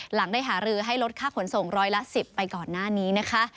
หลังได้หารือให้ลดค่าขนส่ง๑๑๐บาทไปก่อนหน้านี้